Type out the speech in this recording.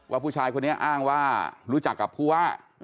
ว่าผู้ชายคนนี้อ้างว่ารู้จักกับผู้ว่า